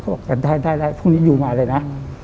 เขาบอกได้พรุ่งนี้อยู่มาเลยนะ